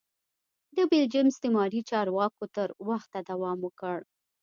د بلجیم استعماري چارواکو تر وخته دوام وکړ.